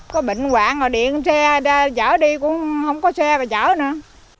có bệnh quạng mà điện xe chở đi cũng không có xe mà chở nữa